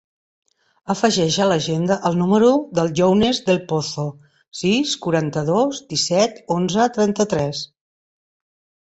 Afegeix a l'agenda el número del Younes Del Pozo: sis, quaranta-dos, disset, onze, trenta-tres.